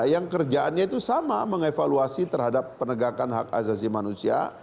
yang kerjaannya itu sama mengevaluasi terhadap penegakan hak azazi manusia